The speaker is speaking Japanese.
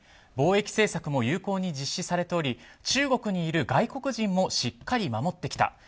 防疫政策も有効に実施されており中国にいる外国人もしっかり守ってきた。